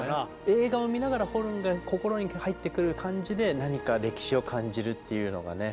映画を見ながらホルンが心に入ってくる感じで何か歴史を感じるっていうのがね。